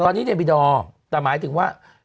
ตอนนี้เนบิดอร์แต่หมายถึงว่า